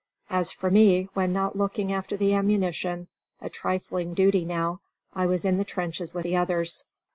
As for me, when not looking after the ammunition, a trifling duty now, I was in the trenches with the others.